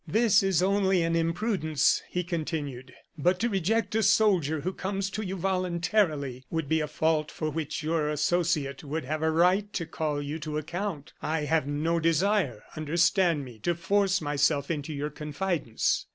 "This is only an imprudence," he continued; "but to reject a soldier who comes to you voluntarily would be a fault for which your associate would have a right to call you to account. I have no desire, understand me, to force myself into your confidence.